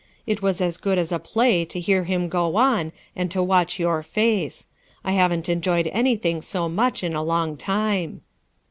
"It was as good as a play to hear him go on and to watch your face. I haven't enjoyed any tiling so much in a long time."